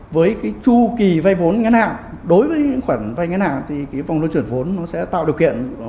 với chu kỳ vây vốn ngân hàng đối với khoản vây ngân hàng thì vòng lưu truyền vốn sẽ tạo điều kiện